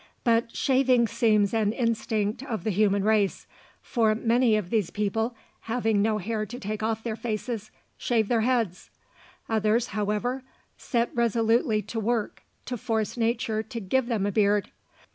But shaving seems an instinct of the human race; for many of these people, having no hair to take off their faces, shave their heads. Others, however, set resolutely to work to force nature to give them a beard.